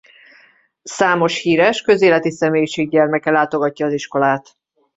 Számos híres közéleti személyiség gyermeke látogatja az iskolát.